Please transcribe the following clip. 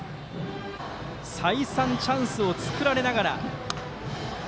再三、チャンスを作られながら。